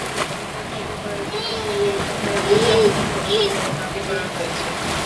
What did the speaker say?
তাদের মধ্যে কয়েকজন স্থানীয় অপরাধী চক্রের সদস্য বলে দাবি করা হয়েছে।